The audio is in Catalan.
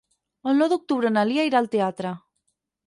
El nou d'octubre na Lia irà al teatre.